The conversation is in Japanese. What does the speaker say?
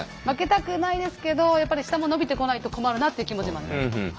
負けたくないですけどやっぱり下も伸びてこないと困るなっていう気持ちもあります。